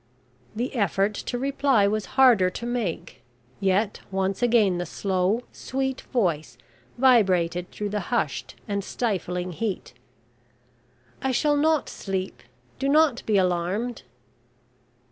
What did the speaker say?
The effort to reply was harder to make; yet once again the slow, sweet voice vibrated through the hushed and stifling heat: "I shall not sleep do not be alarmed."